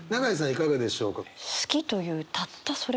いかがでしょうか？